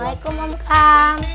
waalaikumsalam om kams